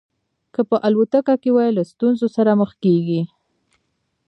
که په الوتکه کې وي له ستونزو سره مخ کېږي.